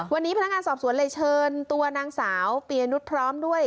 วันนี้พนักงานสอบสวนเลยเชิญตัวนางสาวปียนุษย์พร้อมด้วย